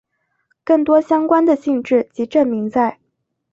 更多相关的性质及证明在。